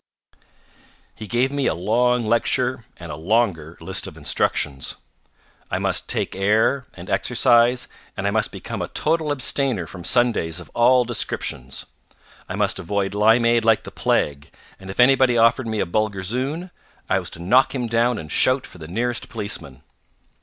He gave me a long lecture and a longer list of instructions. I must take air and exercise and I must become a total abstainer from sundaes of all descriptions. I must avoid limeade like the plague, and if anybody offered me a Bulgarzoon I was to knock him down and shout for the nearest policeman.